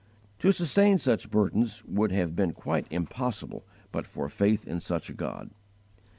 To sustain such burdens would have been quite impossible but for faith in such a God.